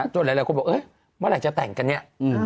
หลายคนบอกเมื่อไหร่จะแต่งกันเนี่ย